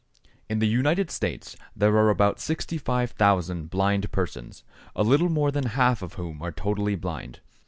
= In the United States there are about 65,000 blind persons, a little more than half of whom are totally blind.